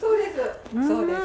そうです！